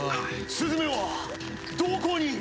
スズメはどこに！？